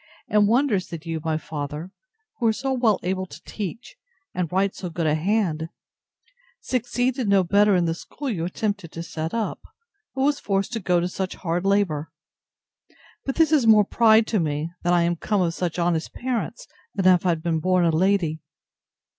and wonders, that you, my father, who are so well able to teach, and write so good a hand, succeeded no better in the school you attempted to set up; but was forced to go to such hard labour. But this is more pride to me, that I am come of such honest parents, than if I had been born a lady.